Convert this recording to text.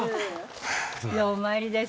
ようお参りです。